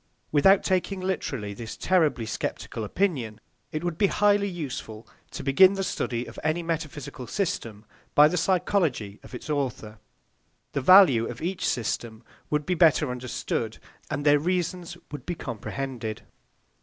Without taking literally this terribly sceptical opinion, it would be highly useful to begin the study of any metaphysical system by the psychology of its author. The value of each system would be better understood, and their reasons would be comprehended.